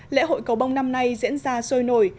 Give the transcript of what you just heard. lễ hội cầu bông năm nay diễn ra sôi nổi